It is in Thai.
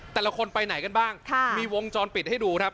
แต่ละคนไปไหนกันบ้างมีวงจรปิดให้ดูครับ